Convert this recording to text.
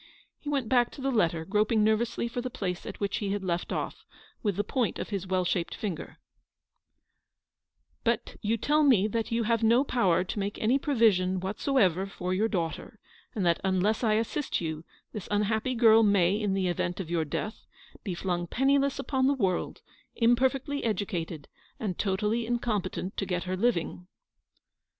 He went back to the letter, groping nervously for the place at which he had left off, with the point of his well shaped finger —" But you tell me that you have no power to make any provision whatsoever for your daughter ; and that, unless I assist you, this unhappy girl may, in the event of your death, be flung penni less upon the world, imperfectly educated, and totally incompetent to get her living."